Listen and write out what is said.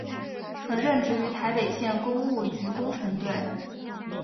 曾任职于台北县工务局工程队。